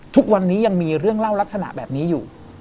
ทุกวันนี้ยังมีเรื่องเล่าลักษณะแบบนี้อยู่